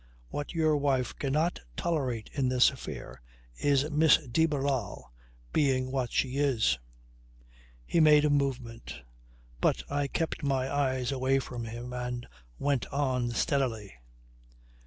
What your wife cannot tolerate in this affair is Miss de Barral being what she is." He made a movement, but I kept my eyes away from him and went on steadily.